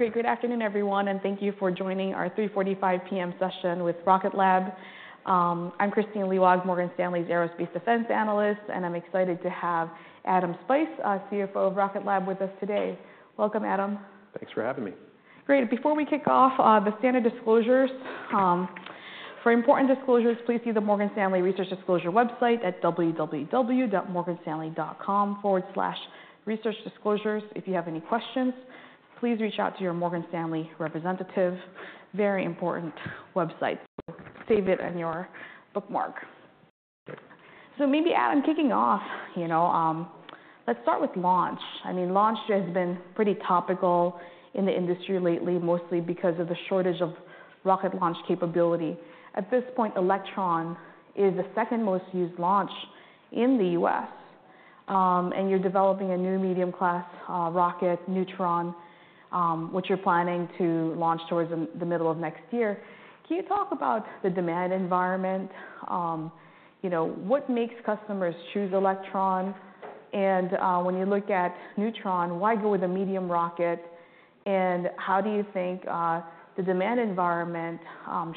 Great. Good afternoon, everyone, and thank you for joining our 3:45 P.M. session with Rocket Lab. I'm Kristine Liwag, Morgan Stanley's Aerospace Defense Analyst, and I'm excited to have Adam Spice, CFO of Rocket Lab, with us today. Welcome, Adam. Thanks for having me. Great. Before we kick off, the standard disclosures. For important disclosures, please see the Morgan Stanley Research Disclosure website at www.morganstanley.com/researchdisclosures. If you have any questions, please reach out to your Morgan Stanley representative. Very important website. Save it on your bookmark. So maybe, Adam, kicking off, you know, let's start with launch. I mean, launch has been pretty topical in the industry lately, mostly because of the shortage of rocket launch capability. At this point, Electron is the second most used launch in the U.S., and you're developing a new medium class, rocket, Neutron, which you're planning to launch towards the middle of next year. Can you talk about the demand environment? You know, what makes customers choose Electron? And, when you look at Neutron, why go with a medium rocket? How do you think the demand environment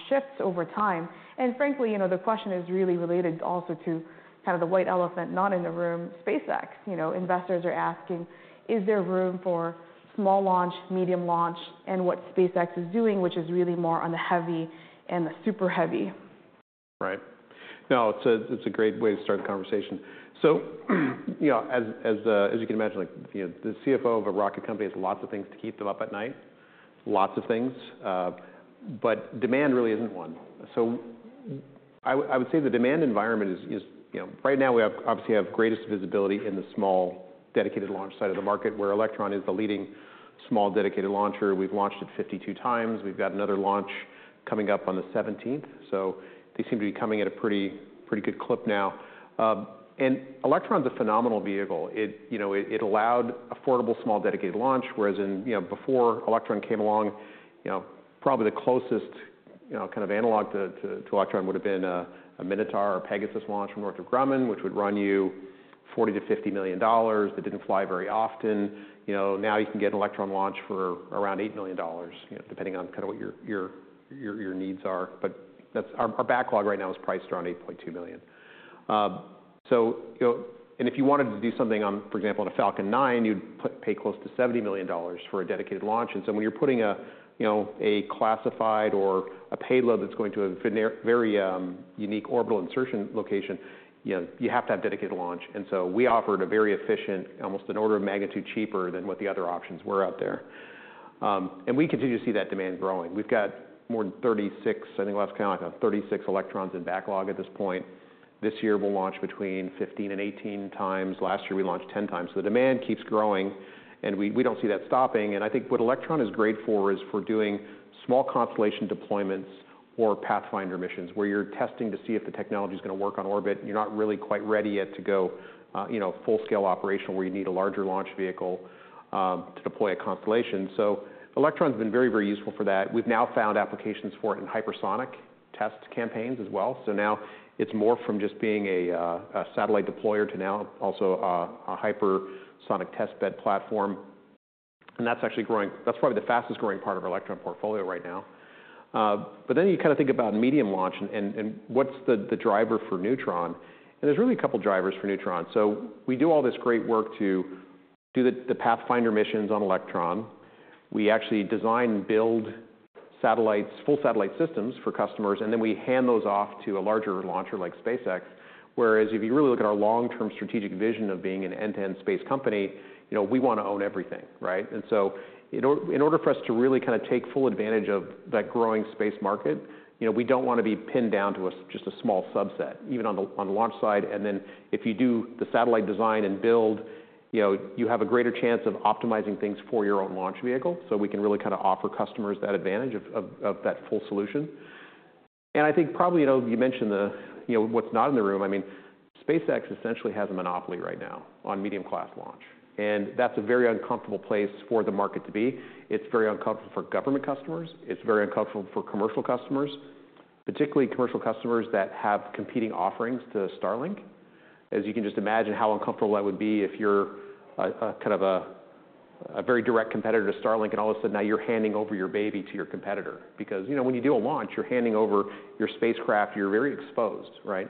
shifts over time? Frankly, you know, the question is really related also to kind of the white elephant, not in the room, SpaceX. You know, investors are asking, "Is there room for small launch, medium launch?" What SpaceX is doing, which is really more on the heavy and the super heavy. Right. No, it's a great way to start the conversation. So, you know, as you can imagine, like, you know, the CFO of a rocket company has lots of things to keep them up at night. Lots of things, but demand really isn't one. So I would say the demand environment is... You know, right now we obviously have greatest visibility in the small, dedicated launch side of the market, where Electron is the leading small dedicated launcher. We've launched it 52x. We've got another launch coming up on the 17th. So they seem to be coming at a pretty good clip now. And Electron's a phenomenal vehicle. It, you know, it allowed affordable, small, dedicated launch, whereas in, you know, before Electron came along, you know, probably the closest, you know, kind of analog to Electron would have been a Minotaur or Pegasus launch from Northrop Grumman, which would run you $40 million-$50 million. That didn't fly very often. You know, now you can get an Electron launch for around $8 million, you know, depending on kind of what your needs are. But that's our backlog right now is priced around $8.2 million. So, you know, and if you wanted to do something on, for example, on a Falcon 9, you'd pay close to $70 million for a dedicated launch. And so when you're putting a, you know, a classified or a payload that's going to a very, unique orbital insertion location, you know, you have to have dedicated launch. And so we offered a very efficient, almost an order of magnitude, cheaper than what the other options were out there. And we continue to see that demand growing. We've got more than 36, I think, last count, like 36 Electrons in backlog at this point. This year, we'll launch between 15x and 18x. Last year, we launched 10x. So the demand keeps growing, and we don't see that stopping. And I think what Electron is great for is for doing small constellation deployments or pathfinder missions, where you're testing to see if the technology is gonna work on orbit, and you're not really quite ready yet to go, you know, full-scale operation, where you need a larger launch vehicle, to deploy a constellation. So Electron's been very, very useful for that. We've now found applications for it in hypersonic test campaigns as well. So now it's more from just being a, a satellite deployer to now also, a hypersonic test bed platform, and that's actually growing. That's probably the fastest-growing part of our Electron portfolio right now. But then you kind of think about medium launch and what's the driver for Neutron? And there's really a couple drivers for Neutron. So we do all this great work to do the pathfinder missions on Electron. We actually design, build satellites, full satellite systems for customers, and then we hand those off to a larger launcher like SpaceX. Whereas if you really look at our long-term strategic vision of being an end-to-end space company, you know, we wanna own everything, right? And so in order for us to really kind of take full advantage of that growing space market, you know, we don't wanna be pinned down to just a small subset, even on the launch side. And then if you do the satellite design and build, you know, you have a greater chance of optimizing things for your own launch vehicle. So we can really kind of offer customers that advantage of that full solution. I think probably, you know, you mentioned the, you know, what's not in the room. I mean, SpaceX essentially has a monopoly right now on medium-class launch, and that's a very uncomfortable place for the market to be. It's very uncomfortable for government customers. It's very uncomfortable for commercial customers, particularly commercial customers that have competing offerings to Starlink. As you can just imagine how uncomfortable that would be if you're a kind of a very direct competitor to Starlink, and all of a sudden now you're handing over your baby to your competitor. Because, you know, when you do a launch, you're handing over your spacecraft, you're very exposed, right?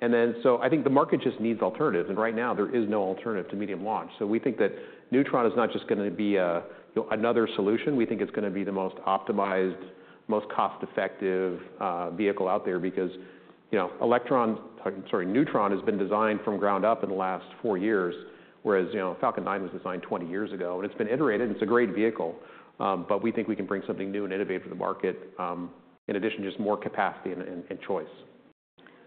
And then, so I think the market just needs alternatives, and right now there is no alternative to medium launch. So we think that Neutron is not just gonna be a, you know, another solution. We think it's gonna be the most optimized, most cost-effective vehicle out there because, you know, Electron, sorry, Neutron has been designed from ground up in the last four years, whereas, you know, Falcon 9 was designed 20 years ago, and it's been iterated, and it's a great vehicle, but we think we can bring something new and innovative to the market, in addition to just more capacity and, and choice. ...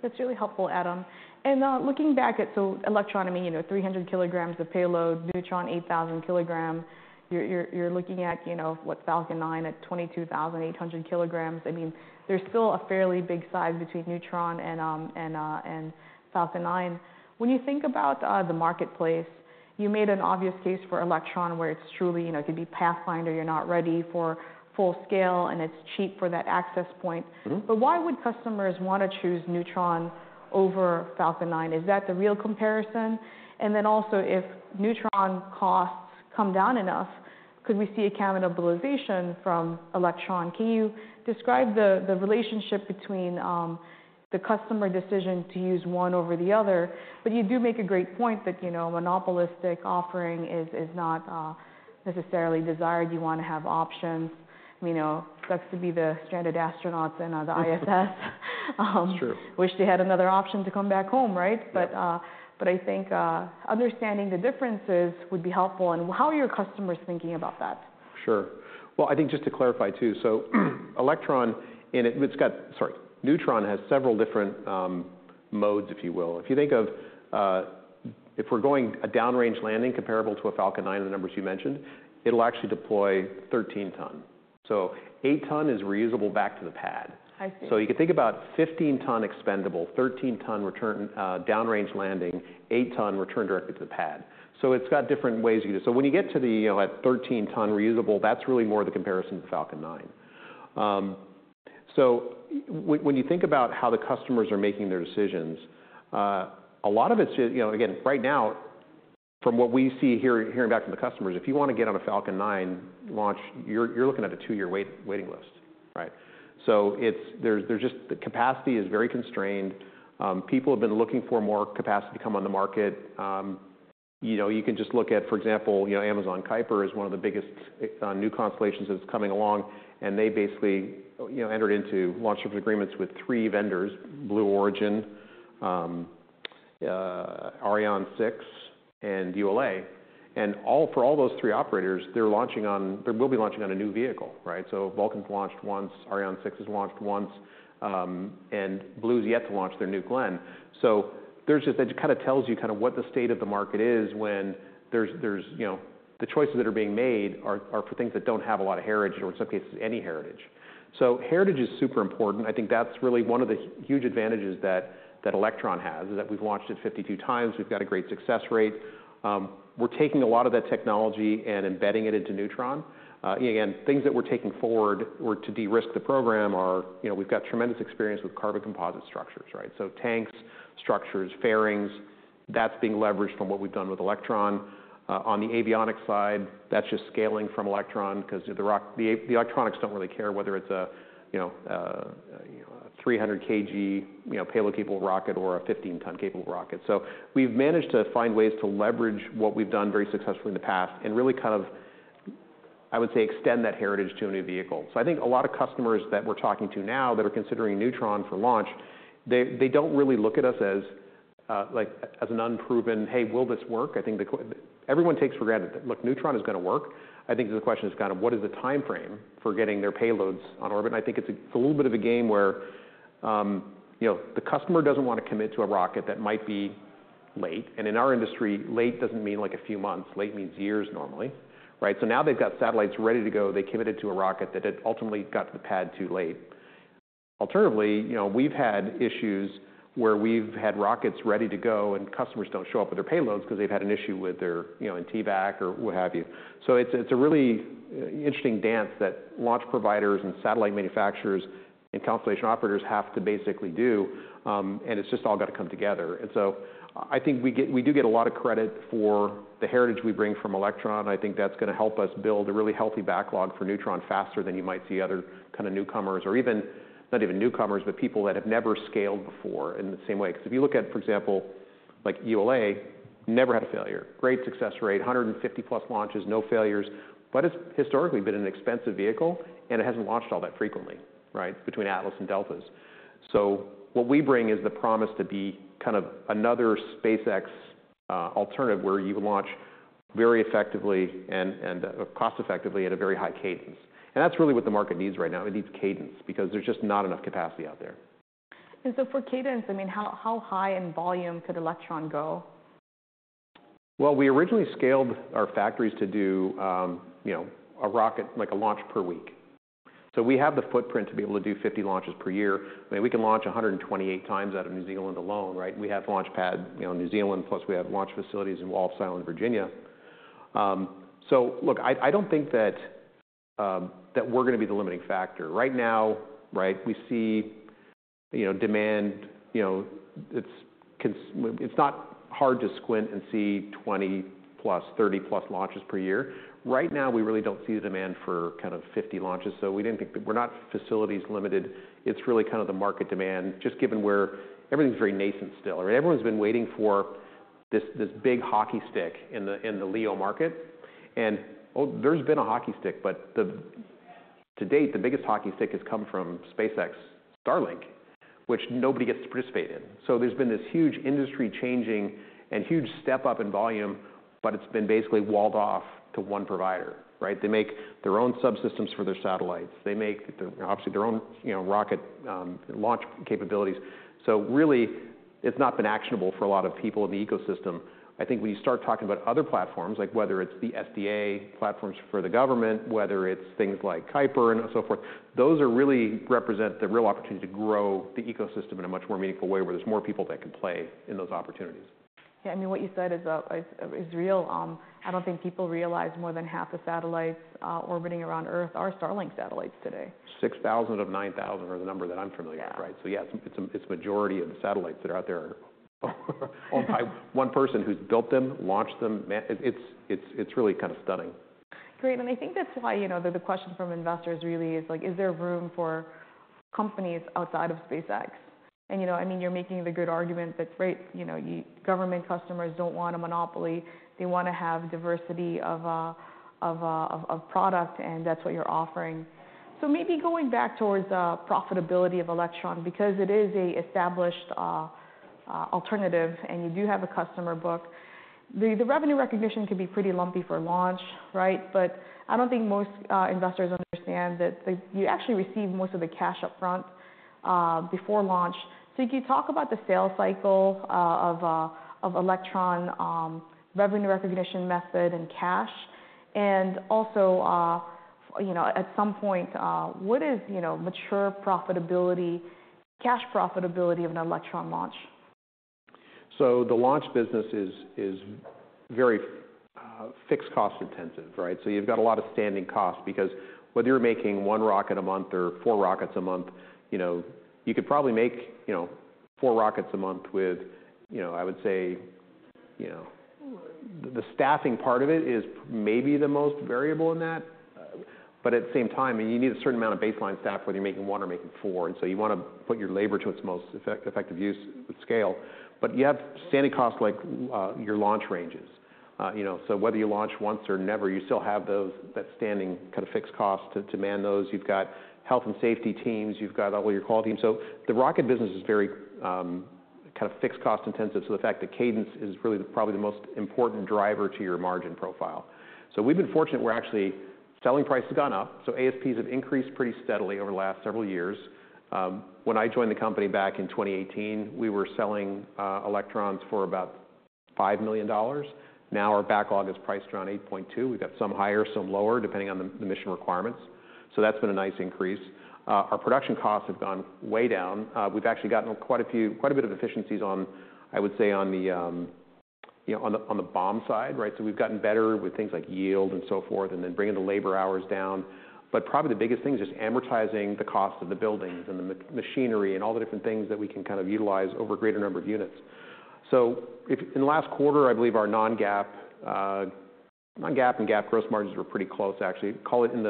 That's really helpful, Adam. And looking back at, so Electron, I mean, you know, 300 kg of payload, Neutron, 8,000 kg, you're looking at, you know, what, Falcon 9 at 22,800 kg. I mean, there's still a fairly big size between Neutron and Falcon 9. When you think about the marketplace, you made an obvious case for Electron, where it's truly, you know, it could be pathfinder, you're not ready for full scale, and it's cheap for that access point. Mm-hmm. But why would customers wanna choose Neutron over Falcon 9? Is that the real comparison? And then also, if Neutron costs come down enough, could we see a cannibalization from Electron? Can you describe the relationship between the customer decision to use one over the other? But you do make a great point that, you know, monopolistic offering is not necessarily desired. You wanna have options. You know, sucks to be the stranded astronauts in the ISS. It's true. Wish they had another option to come back home, right? Yeah. But I think understanding the differences would be helpful. And how are your customers thinking about that? Sure. Well, I think just to clarify, too, so Electron. Sorry. Neutron has several different modes, if you will. If you think of if we're going a downrange landing comparable to a Falcon 9, the numbers you mentioned, it'll actually deploy 13 ton. So eight ton is reusable back to the pad. I see. So you can think about 15 ton expendable, 13 ton return, downrange landing, 8 ton return directly to the pad. So it's got different ways to use it. So when you get to the, you know, at 13 ton reusable, that's really more the comparison to Falcon 9. So when you think about how the customers are making their decisions, a lot of it's just, you know, again, right now, from what we see here, hearing back from the customers, if you wanna get on a Falcon 9 launch, you're looking at a two-year waiting list, right? So it's, there's just the capacity is very constrained. People have been looking for more capacity to come on the market. You know, you can just look at, for example, you know, Amazon Kuiper is one of the biggest new constellations that's coming along, and they basically, you know, entered into launch service agreements with three vendors, Blue Origin, Ariane 6, and ULA. And for all those three operators, they will be launching on a new vehicle, right? So Vulcan's launched once, Ariane 6 has launched once, and Blue's yet to launch their New Glenn. So it kind of tells you kind of what the state of the market is when there's you know, the choices that are being made are for things that don't have a lot of heritage, or in some cases, any heritage. So heritage is super important. I think that's really one of the huge advantages that Electron has, is that we've launched it 52x. We've got a great success rate. We're taking a lot of that technology and embedding it into Neutron. Again, things that we're taking forward or to de-risk the program are, you know, we've got tremendous experience with carbon composite structures, right? So tanks, structures, fairings, that's being leveraged from what we've done with Electron. On the avionics side, that's just scaling from Electron because the electronics don't really care whether it's a, you know, a 300 kg, you know, payload-capable rocket or a 15-ton capable rocket. So we've managed to find ways to leverage what we've done very successfully in the past and really kind of, I would say, extend that heritage to a new vehicle. So I think a lot of customers that we're talking to now that are considering Neutron for launch, they don't really look at us as, like, as an unproven, "Hey, will this work?" I think everyone takes for granted that, look, Neutron is gonna work. I think the question is kind of, what is the timeframe for getting their payloads on orbit? And I think it's a little bit of a game where, you know, the customer doesn't want to commit to a rocket that might be late. And in our industry, late doesn't mean like a few months. Late means years, normally. Right? So now they've got satellites ready to go, they committed to a rocket that ultimately got to the pad too late. Alternatively, you know, we've had issues where we've had rockets ready to go and customers don't show up with their payloads because they've had an issue with their, you know, in TVAC or what have you. So it's a really interesting dance that launch providers and satellite manufacturers and constellation operators have to basically do, and it's just all got to come together. And so I think we do get a lot of credit for the heritage we bring from Electron. I think that's gonna help us build a really healthy backlog for Neutron faster than you might see other kinda newcomers, or even, not even newcomers, but people that have never scaled before in the same way. 'Cause if you look at, for example, like ULA, never had a failure. Great success rate, 150+ launches, no failures, but it's historically been an expensive vehicle, and it hasn't launched all that frequently, right? Between Atlas and Delta, so what we bring is the promise to be kind of another SpaceX alternative, where you launch very effectively and cost effectively at a very high cadence. And that's really what the market needs right now. It needs cadence, because there's just not enough capacity out there. And so for cadence, I mean, how high in volume could Electron go? We originally scaled our factories to do, you know, a rocket, like a launch per week. So we have the footprint to be able to do 50 launches per year. I mean, we can launch 128x out of New Zealand alone, right? We have launch pad, you know, in New Zealand, plus we have launch facilities in Wallops Island, Virginia. So look, I don't think that that we're gonna be the limiting factor. Right now, right, we see, you know, demand, you know, it's not hard to squint and see 20+, 30+ launches per year. Right now, we really don't see the demand for kind of 50 launches, so we didn't think. We're not facilities limited. It's really kind of the market demand, just given everything's very nascent still. I mean, everyone's been waiting for this, this big hockey stick in the, in the LEO market, and, well, there's been a hockey stick, but to date, the biggest hockey stick has come from SpaceX Starlink, which nobody gets to participate in. So there's been this huge industry-changing and huge step up in volume, but it's been basically walled off to one provider, right? They make their own subsystems for their satellites. They make the, obviously, their own, you know, rocket launch capabilities. So really, it's not been actionable for a lot of people in the ecosystem. I think when you start talking about other platforms, like whether it's the SDA platforms for the government, whether it's things like Kuiper and so forth, those are really represent the real opportunity to grow the ecosystem in a much more meaningful way, where there's more people that can play in those opportunities. Yeah, I mean, what you said is real. I don't think people realize more than half the satellites orbiting around Earth are Starlink satellites today. 6,000 of 9,000 are the number that I'm familiar with. Yeah. Right, so yeah, it's the majority of the satellites that are out there. One person who's built them, launched them. It's really kind of stunning. Great, and I think that's why, you know, the question from investors really is, like, is there room for companies outside of SpaceX? And, you know, I mean, you're making the good argument that, right, you know, government customers don't want a monopoly. They wanna have diversity of product, and that's what you're offering. So maybe going back towards profitability of Electron, because it is an established alternative, and you do have a customer book. The revenue recognition can be pretty lumpy for launch, right? But I don't think most investors understand that, like, you actually receive most of the cash upfront before launch. So could you talk about the sales cycle of Electron, revenue recognition method and cash? And also, you know, at some point, what is, you know, mature profitability, cash profitability of an Electron launch? So the launch business is very fixed cost intensive, right? You've got a lot of standing costs, because whether you're making one rocket a month or four rockets a month, you know, you could probably make, you know, four rockets a month with, you know, I would say, you know. The staffing part of it is maybe the most variable in that. But at the same time, you need a certain amount of baseline staff, whether you're making one or making four, and so you wanna put your labor to its most effective use with scale. But you have standing costs like your launch ranges. You know, so whether you launch once or never, you still have those, that standing kind of fixed cost to man those. You've got health and safety teams, you've got all your core team. So the rocket business is very kind of fixed cost intensive, so the fact that cadence is really probably the most important driver to your margin profile. So we've been fortunate, we're actually selling price has gone up, so ASPs have increased pretty steadily over the last several years. When I joined the company back in 2018, we were selling Electrons for about $5 million. Now, our backlog is priced around $8.2 million. We've got some higher, some lower, depending on the mission requirements. So that's been a nice increase. Our production costs have gone way down. We've actually gotten quite a bit of efficiencies on, I would say, on the you know, on the BOM side, right? So we've gotten better with things like yield and so forth, and then bringing the labor hours down. But probably the biggest thing is just amortizing the cost of the buildings and the machinery, and all the different things that we can kind of utilize over a greater number of units. So in the last quarter, I believe our non-GAAP and GAAP gross margins were pretty close, actually. Call it in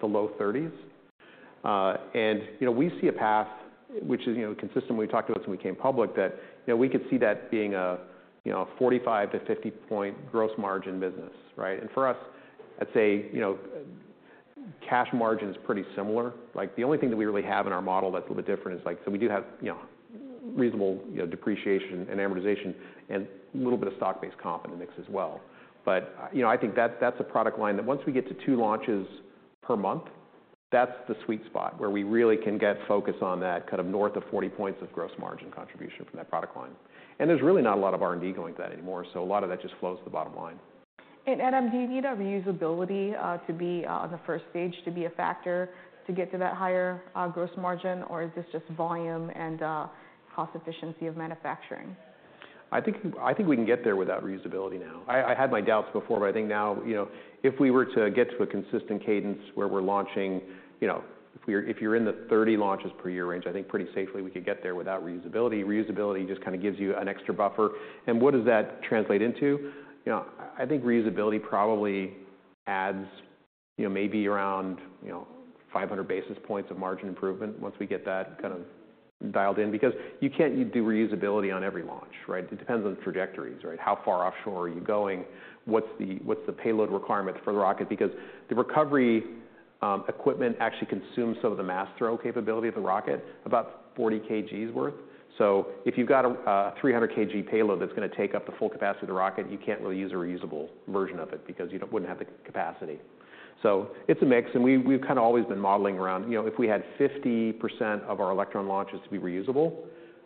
the low 30s. And, you know, we see a path which is, you know, consistent. We talked about this when we came public, that, you know, we could see that being a, you know, a 45- to 50-point gross margin business, right? And for us, I'd say, you know, cash margin is pretty similar. Like, the only thing that we really have in our model that's a little bit different is, like... So we do have, you know, reasonable, you know, depreciation and amortization, and a little bit of stock-based comp in the mix as well. But, you know, I think that's, that's a product line that once we get to two launches per month, that's the sweet spot where we really can get focus on that, kind of north of 40 points of gross margin contribution from that product line. And there's really not a lot of R&D going to that anymore, so a lot of that just flows to the bottom line. Adam, do you need a reusability to be the first stage to be a factor to get to that higher gross margin, or is this just volume and cost efficiency of manufacturing? I think, I think we can get there without reusability now. I had my doubts before, but I think now, you know, if we were to get to a consistent cadence where we're launching, you know, if we're - if you're in the thirty launches per year range, I think pretty safely we could get there without reusability. Reusability just kind of gives you an extra buffer. And what does that translate into? You know, I think reusability probably adds, you know, maybe around, you know, 500 basis points of margin improvement once we get that kind of dialed in. Because you can't do reusability on every launch, right? It depends on the trajectories, right? How far offshore are you going? What's the payload requirements for the rocket? Because the recovery equipment actually consumes some of the mass throw capability of the rocket, about 40 kg worth. So if you've got a 300 kg payload, that's gonna take up the full capacity of the rocket, you can't really use a reusable version of it because you wouldn't have the capacity. So it's a mix, and we, we've kind of always been modeling around, you know, if we had 50% of our Electron launches to be reusable,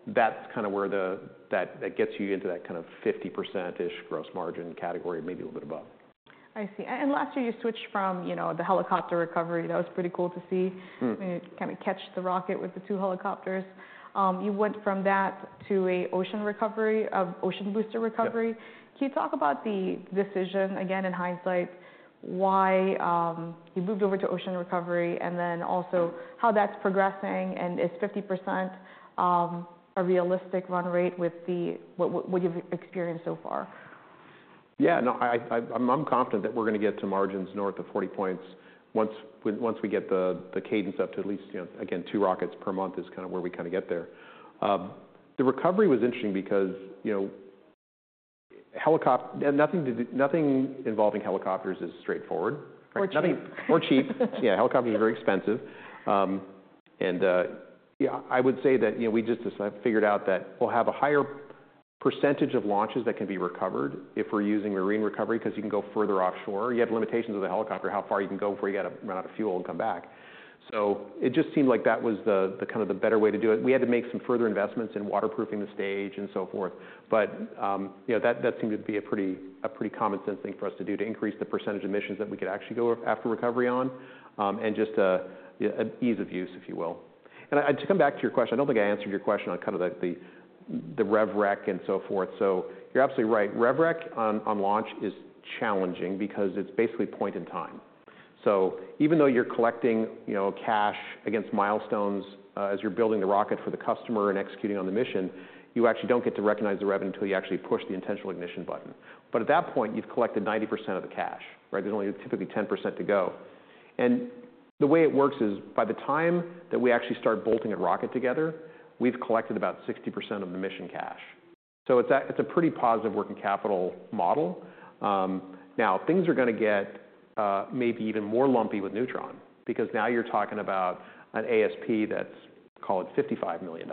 that's kind of where that gets you into that kind of 50%-ish gross margin category, maybe a little bit above. I see. And last year you switched from, you know, the helicopter recovery. That was pretty cool to see. Mm. When you kind of catch the rocket with the two helicopters. You went from that to an ocean recovery, an ocean booster recovery. Yeah. Can you talk about the decision, again, in hindsight, why you moved over to ocean recovery, and then also how that's progressing, and is 50% a realistic run rate with the... what you've experienced so far? Yeah, no, I'm confident that we're gonna get to margins north of 40 points once we get the cadence up to at least, you know, again, two rockets per month is kind of where we kind of get there. The recovery was interesting because, you know, nothing involving helicopters is straightforward. Or cheap. Or cheap. Yeah, helicopters are very expensive. And yeah, I would say that, you know, we just figured out that we'll have a higher percentage of launches that can be recovered if we're using marine recovery, because you can go further offshore. You have limitations with a helicopter, how far you can go before you got to run out of fuel and come back. So it just seemed like that was the kind of the better way to do it. We had to make some further investments in waterproofing the stage and so forth. But you know, that seemed to be a pretty common sense thing for us to do to increase the percentage of missions that we could actually go after recovery on, and just yeah, an ease of use, if you will. To come back to your question, I don't think I answered your question on kind of like the, the rev rec and so forth. So you're absolutely right. Rev rec on, on launch is challenging because it's basically point in time. So even though you're collecting, you know, cash against milestones, as you're building the rocket for the customer and executing on the mission, you actually don't get to recognize the revenue until you actually push the intentional ignition button. But at that point, you've collected 90% of the cash, right? There's only typically 10% to go. And the way it works is, by the time that we actually start bolting a rocket together, we've collected about 60% of the mission cash. So it's a pretty positive working capital model. Now, things are gonna get, maybe even more lumpy with Neutron, because now you're talking about an ASP that's, call it $55 million,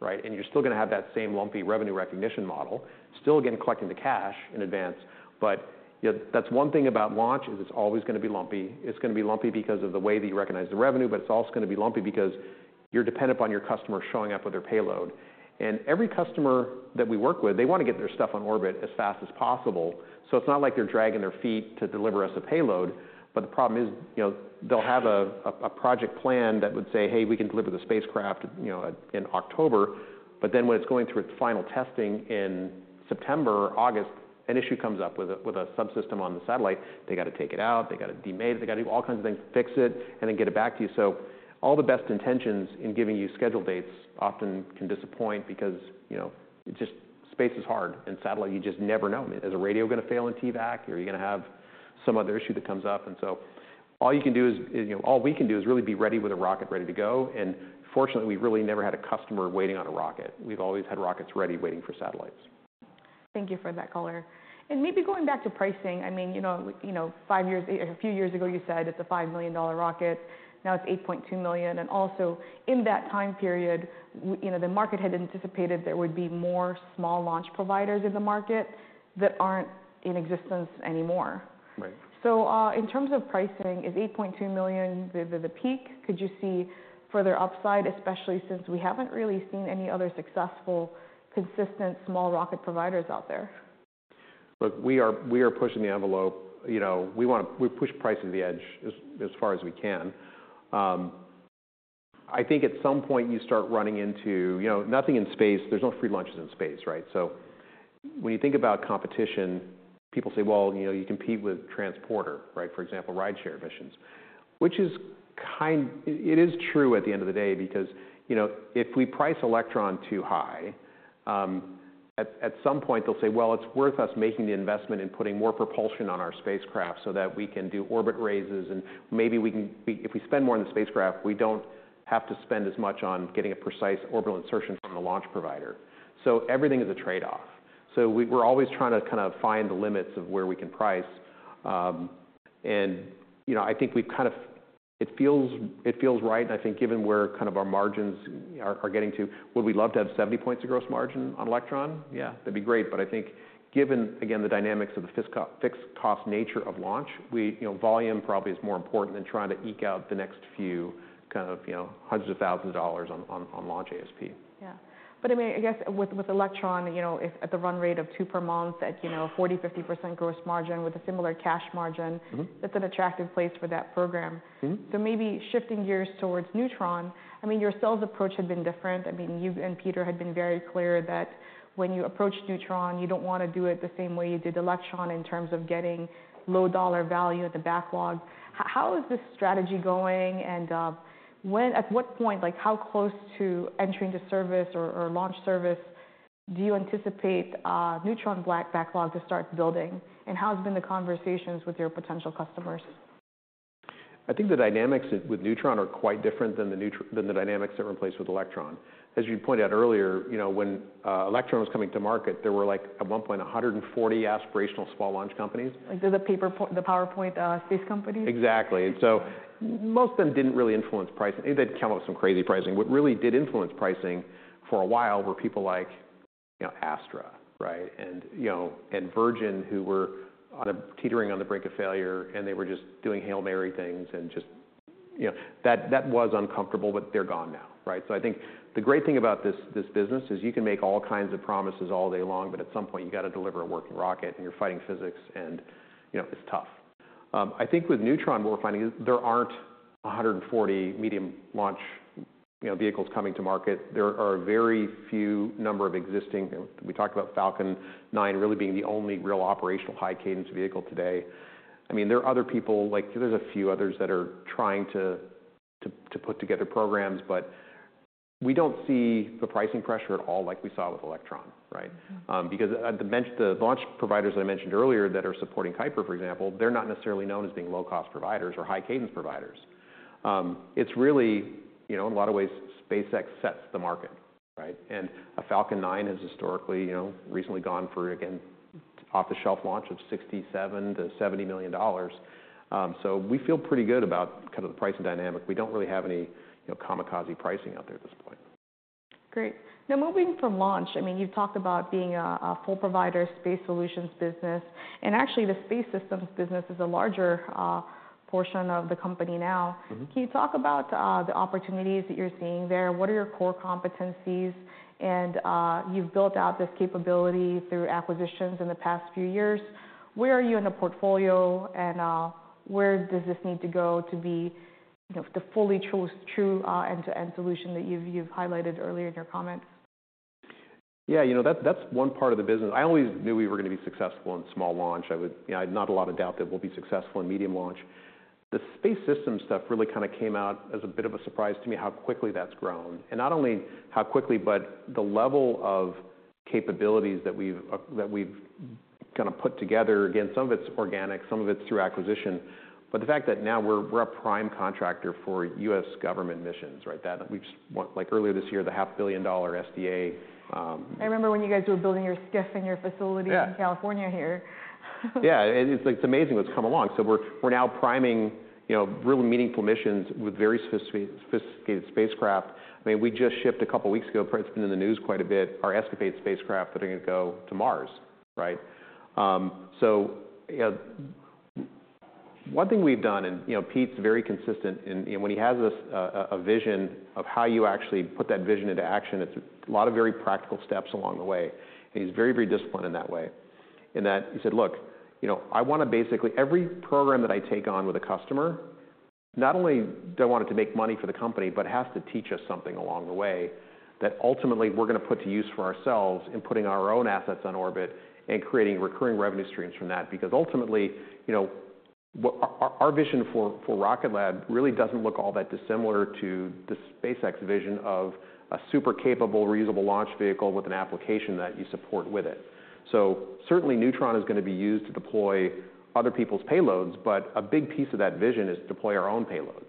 right? And you're still gonna have that same lumpy revenue recognition model, still again, collecting the cash in advance. But, yeah, that's one thing about launch, is it's always gonna be lumpy. It's gonna be lumpy because of the way that you recognize the revenue, but it's also gonna be lumpy because you're dependent upon your customer showing up with their payload. And every customer that we work with, they want to get their stuff on orbit as fast as possible, so it's not like they're dragging their feet to deliver us a payload. But the problem is, you know, they'll have a project plan that would say, "Hey, we can deliver the spacecraft, you know, in October." But then when it's going through its final testing in September or August, an issue comes up with a subsystem on the satellite. They got to take it out, they got to demate it, they got to do all kinds of things to fix it, and then get it back to you. So all the best intentions in giving you schedule dates often can disappoint because, you know, it just, space is hard, and satellite, you just never know. Is a radio gonna fail in TVAC? Are you gonna have some other issue that comes up? And so all you can do is, you know, all we can do is really be ready with a rocket ready to go. Fortunately, we've really never had a customer waiting on a rocket. We've always had rockets ready, waiting for satellites. Thank you for that color. And maybe going back to pricing, I mean, you know, five years, a few years ago, you said it's a $5 million rocket, now it's $8.2 million. And also, in that time period, you know, the market had anticipated there would be more small launch providers in the market that aren't in existence anymore. Right. In terms of pricing, is $8.2 million the peak? Could you see further upside, especially since we haven't really seen any other successful, consistent small rocket providers out there? Look, we are pushing the envelope. You know, we want to push pricing to the edge as far as we can. I think at some point you start running into... You know, nothing in space. There's no free lunches in space, right? So when you think about competition, people say, "Well, you know, you compete with Transporter," right? For example, rideshare missions, which is kind of. It is true at the end of the day, because, you know, if we price Electron too high, at some point they'll say: Well, it's worth us making the investment and putting more propulsion on our spacecraft so that we can do orbit raises, and maybe we can be if we spend more on the spacecraft, we don't have to spend as much on getting a precise orbital insertion from the launch provider. So everything is a trade-off. We're always trying to kind of find the limits of where we can price. You know, I think we've kind of. It feels right, and I think given where kind of our margins are getting to, would we love to have 70 points of gross margin on Electron? Yeah, that'd be great. But I think given, again, the dynamics of the fixed cost nature of launch, you know, volume probably is more important than trying to eke out the next few kind of, you know, hundreds of thousand dollars on launch ASP. Yeah. But I mean, I guess with Electron, you know, if at the run rate of two per month at, you know, 40%-50% gross margin with a similar cash margin- Mm-hmm. That's an attractive place for that program. Mm-hmm. So maybe shifting gears towards Neutron, I mean, your sales approach had been different. I mean, you and Peter had been very clear that when you approach Neutron, you don't want to do it the same way you did Electron in terms of getting low dollar value at the backlog. How is this strategy going, and at what point, like how close to entering the service or launch service, do you anticipate Neutron backlog to start building? And how has been the conversations with your potential customers? I think the dynamics with Neutron are quite different than the dynamics that were in place with Electron. As you pointed out earlier, you know, when Electron was coming to market, there were like, at one point, 140 aspirational small launch companies. Like the PowerPoint, space companies? Exactly. So most of them didn't really influence pricing. They'd come up with some crazy pricing. What really did influence pricing for a while were people like, you know, Astra, right? And, you know, and Virgin, who were on a teetering on the brink of failure, and they were just doing Hail Mary things and just... You know, that, that was uncomfortable, but they're gone now, right? So I think the great thing about this, this business is you can make all kinds of promises all day long, but at some point, you've got to deliver a working rocket, and you're fighting physics, and, you know, it's tough. I think with Neutron, what we're finding is there aren't a 140 medium launch, you know, vehicles coming to market. There are a very few number of existing... We talked about Falcon 9 really being the only real operational high-cadence vehicle today. I mean, there are other people, like there's a few others that are trying to put together programs, but we don't see the pricing pressure at all like we saw with Electron, right? Mm-hmm. Because the launch providers that I mentioned earlier that are supporting Kuiper, for example, they're not necessarily known as being low-cost providers or high-cadence providers. It's really, you know, in a lot of ways, SpaceX sets the market. Right? And a Falcon 9 has historically, you know, recently gone for, again, off-the-shelf launch of $67 million-$70 million. So we feel pretty good about kind of the pricing dynamic. We don't really have any, you know, kamikaze pricing out there at this point. Great. Now, moving from launch, I mean, you've talked about being a full provider space solutions business, and actually, the space systems business is a larger portion of the company now. Mm-hmm. Can you talk about the opportunities that you're seeing there? What are your core competencies? And you've built out this capability through acquisitions in the past few years. Where are you in the portfolio, and where does this need to go to be, you know, the fully true end-to-end solution that you've highlighted earlier in your comments? Yeah, you know, that's, that's one part of the business. I always knew we were gonna be successful in small launch. I would. You know, I had not a lot of doubt that we'll be successful in medium launch. The space systems stuff really kind of came out as a bit of a surprise to me, how quickly that's grown. And not only how quickly, but the level of capabilities that we've, that we've kind of put together. Again, some of it's organic, some of it's through acquisition, but the fact that now we're, we're a prime contractor for U.S. government missions, right? That. We've. Like, earlier this year, the $500 million SDA. I remember when you guys were building your SCIF and your facility- Yeah... in California here. Yeah, and it's amazing what's come along. So we're now priming, you know, really meaningful missions with very sophisticated spacecraft. I mean, we just shipped a couple of weeks ago, it's been in the news quite a bit, our ESCAPADE spacecraft that are gonna go to Mars, right? So, you know, one thing we've done, and, you know, Pete's very consistent in, you know, when he has this vision of how you actually put that vision into action, it's a lot of very practical steps along the way, and he's very, very disciplined in that way. In that, he said, "Look, you know, I wanna basically, every program that I take on with a customer, not only do I want it to make money for the company, but has to teach us something along the way, that ultimately we're gonna put to use for ourselves in putting our own assets on orbit and creating recurring revenue streams from that." Because ultimately, you know, what... Our, our vision for, for Rocket Lab really doesn't look all that dissimilar to the SpaceX vision of a super capable, reusable launch vehicle with an application that you support with it. So certainly, Neutron is gonna be used to deploy other people's payloads, but a big piece of that vision is to deploy our own payloads.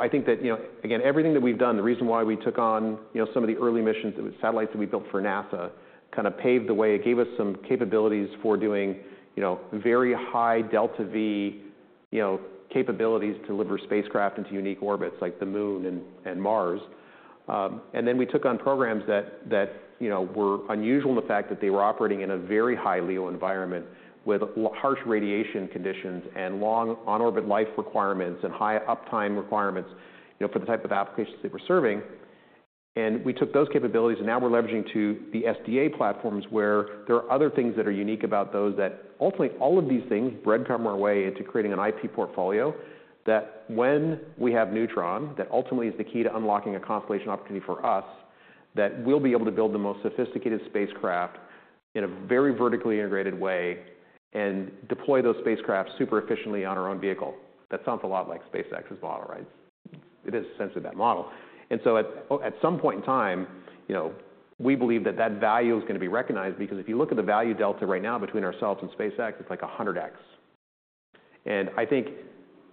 I think that, you know, again, everything that we've done, the reason why we took on, you know, some of the early missions and the satellites that we built for NASA, kind of paved the way. It gave us some capabilities for doing, you know, very high Delta V, you know, capabilities to deliver spacecraft into unique orbits, like the Moon and Mars, and then we took on programs that you know were unusual in the fact that they were operating in a very high LEO environment with harsh radiation conditions and long on-orbit life requirements and high uptime requirements, you know, for the type of applications that we're serving. And we took those capabilities, and now we're leveraging to the SDA platforms, where there are other things that are unique about those that ultimately, all of these things breadcrumb our way into creating an IP portfolio, that when we have Neutron, that ultimately is the key to unlocking a constellation opportunity for us, that we'll be able to build the most sophisticated spacecraft in a very vertically integrated way and deploy those spacecraft super efficiently on our own vehicle. That sounds a lot like SpaceX's model, right? It is essentially that model. And so at some point in time, you know, we believe that that value is gonna be recognized, because if you look at the value delta right now between ourselves and SpaceX, it's like a 100X. I think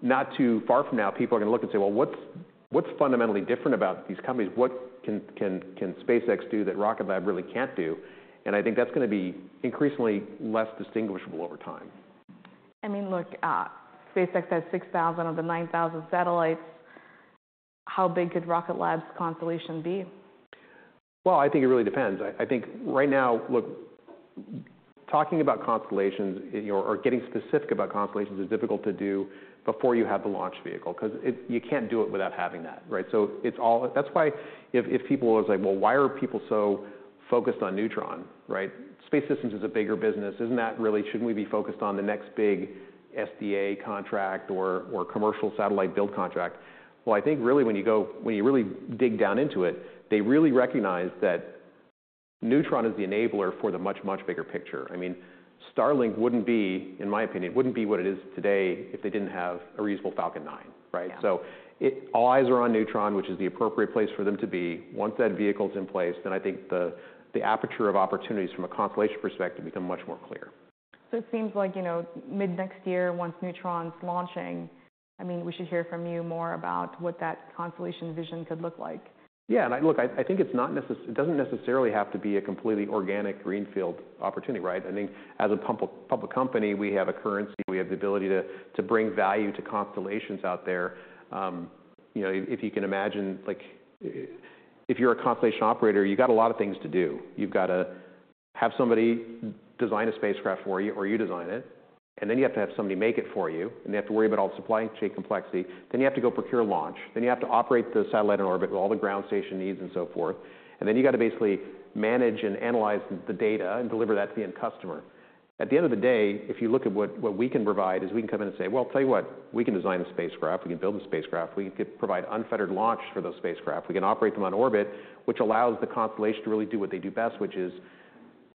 not too far from now, people are gonna look and say: Well, what's fundamentally different about these companies? What can SpaceX do that Rocket Lab really can't do? And I think that's gonna be increasingly less distinguishable over time. I mean, look, SpaceX has 6,000 of the 9,000 satellites. How big could Rocket Lab's constellation be? I think it really depends. I, I think right now, look, talking about constellations, or, or getting specific about constellations is difficult to do before you have the launch vehicle, 'cause you can't do it without having that, right? That's why if, if people are always like: Well, why are people so focused on Neutron, right? Space Systems is a bigger business. Isn't that really? Shouldn't we be focused on the next big SDA contract or, or commercial satellite build contract? I think really, when you go, when you really dig down into it, they really recognize that Neutron is the enabler for the much, much bigger picture. I mean, Starlink wouldn't be, in my opinion, it wouldn't be what it is today if they didn't have a reusable Falcon 9, right? Yeah. All eyes are on Neutron, which is the appropriate place for them to be. Once that vehicle is in place, then I think the aperture of opportunities from a constellation perspective become much more clear. It seems like, you know, mid-next year, once Neutron's launching, I mean, we should hear from you more about what that constellation vision could look like. Yeah. And, look, I think it doesn't necessarily have to be a completely organic greenfield opportunity, right? I mean, as a public company, we have a currency, we have the ability to bring value to constellations out there. You know, if you can imagine, like, if you're a constellation operator, you've got a lot of things to do. You've got to have somebody design a spacecraft for you, or you design it, and then you have to have somebody make it for you, and you have to worry about all the supply chain complexity. Then you have to go procure launch, then you have to operate the satellite in orbit with all the ground station needs and so forth, and then you've got to basically manage and analyze the data and deliver that to the end customer. At the end of the day, if you look at what we can provide, is we can come in and say, "Well, I'll tell you what, we can design a spacecraft, we can build a spacecraft, we can provide unfettered launch for those spacecraft. We can operate them on orbit, which allows the constellation to really do what they do best, which is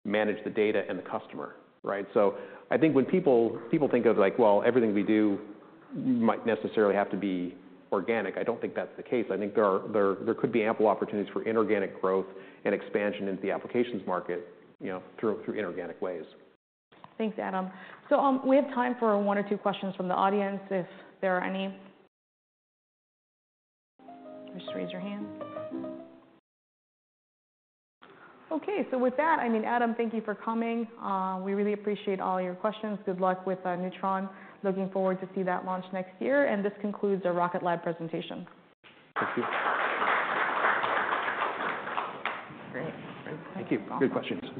manage the data and the customer," right? So I think when people think of, like: Well, everything we do might necessarily have to be organic, I don't think that's the case. I think there could be ample opportunities for inorganic growth and expansion into the applications market, you know, through inorganic ways. Thanks, Adam. So, we have time for one or two questions from the audience, if there are any. Just raise your hand. Okay, so with that, I mean, Adam, thank you for coming. We really appreciate all your questions. Good luck with Neutron. Looking forward to see that launch next year, and this concludes the Rocket Lab presentation. Thank you. Great. Thank you. Good questions.